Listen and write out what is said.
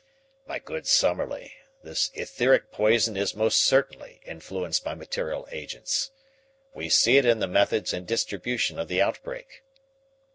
"My good Summerlee, this etheric poison is most certainly influenced by material agents. We see it in the methods and distribution of the outbreak.